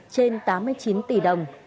trên tám mươi chín tỷ đồng